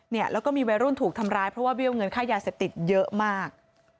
เนี่ยแล้วก็มีวัยรุ่นถูกทำร้ายเพราะว่าเบี้ยวเงินค่ายาเสพติดเยอะมาก